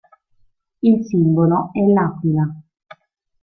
Il simbolo è l'Aquila.